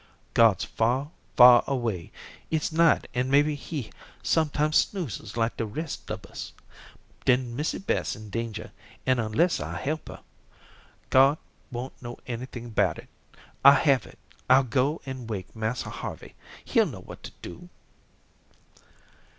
"God's far, far away. It's night, an' maybe He sometimes snoozes like de rest ob us. Den Missy Beth's in danger, an' unless I help her. God won't know anything 'bout it. I have it. I'll go an' wake Massa Harvey. He'll know what to do."